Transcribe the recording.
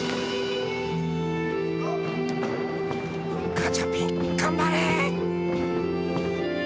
ガチャピン頑張れ！